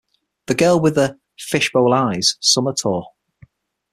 "The Girl with the...Fishbowl Eyes" Summer Tour.